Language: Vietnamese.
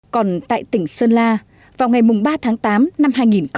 còn tại tỉnh sơn la vào ngày ba tháng tám năm hai nghìn một mươi tám